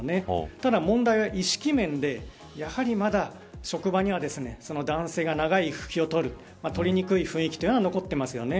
ただ問題は、意識面でやはり、まだ職場には男性が長い育休を取りにくい雰囲気が残っていますよね。